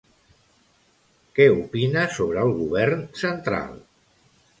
Què opina sobre el govern central?